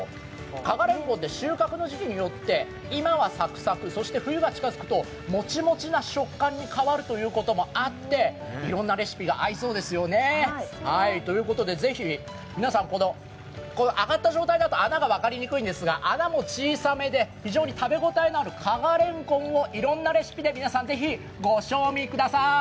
加賀れんこんって収穫の時期によって今はサクサク、そして冬が近づくともちもちな食感に変わるということもあっていろんなレシピが合いそうですよね。ということでぜひ皆さん、揚がった状態だと穴が分かりませんが穴も小さめで非常に食べ応えのある加賀れんこんをいろんなレシピで皆さんぜひご賞味ください。